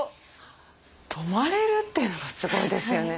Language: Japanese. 泊まれるっていうのがすごいですよね